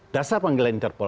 dasar panggilan interpol